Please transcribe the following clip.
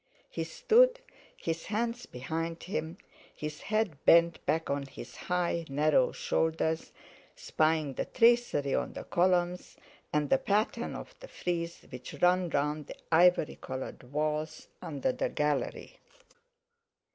He stood, his hands behind him, his head bent back on his high, narrow shoulders, spying the tracery on the columns and the pattern of the frieze which ran round the ivory coloured walls under the gallery.